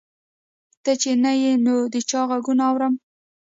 ته چې نه یې نو د چا غـــــــږونه اورم